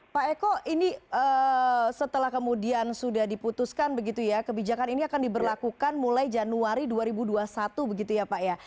pak eko ini setelah kemudian sudah diputuskan begitu ya kebijakan ini akan diberlakukan mulai januari dua ribu dua puluh satu begitu ya pak ya